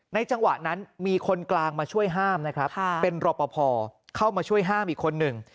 จังหวะนั้นมีคนกลางมาช่วยห้ามนะครับเป็นรอปภเข้ามาช่วยห้ามอีกคนหนึ่ง